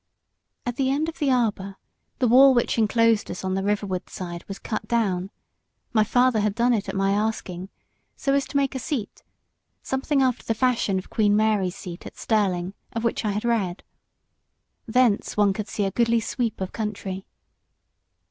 At the end of the arbour the wall which enclosed us on the riverward side was cut down my father had done it at my asking so as to make a seat, something after the fashion of Queen Mary's seat at Stirling, of which I had read. Thence, one could see a goodly sweep of country.